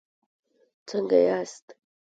څنګه یاست؟